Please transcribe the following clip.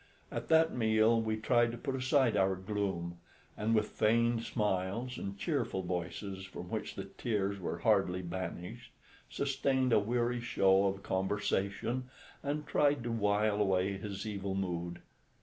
At that meal we tried to put aside our gloom, and with feigned smiles and cheerful voices, from which the tears were hardly banished, sustained a weary show of conversation and tried to wile away his evil mood.